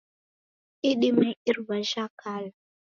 Idimei iruw'a jhakala.